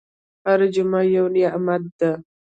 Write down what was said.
هره جمعه یو نعمت ده.